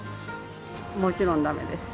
もちろんだめです。